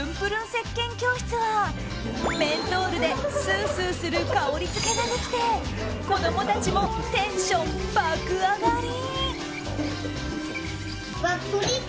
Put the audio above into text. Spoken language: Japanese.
せっけん教室はメントールでスースーする香りづけができて子供たちもテンション爆上がり。